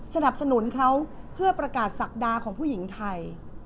สนับสนุนเขาเพื่อประกาศศักดาของผู้หญิงไทย